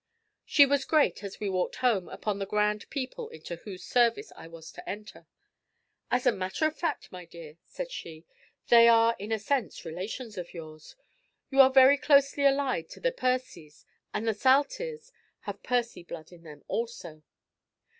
She was great, as we walked home, upon the grand people into whose service I was to enter. "As a matter of fact, my dear," said she, "they are in a sense relations of yours. You are very closely allied to the Percies, and the Saltires have Percy blood in them also.